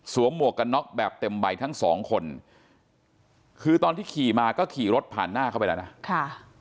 หมวกกันน็อกแบบเต็มใบทั้งสองคนคือตอนที่ขี่มาก็ขี่รถผ่านหน้าเข้าไปแล้วนะค่ะ